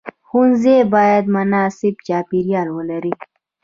ښوونځی باید مناسب چاپیریال ولري.